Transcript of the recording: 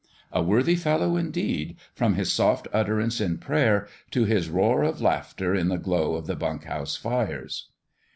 A worthy fellow, in deed, from his soft utterance in prayer to his roar of laughter in the glow of the bunk house fires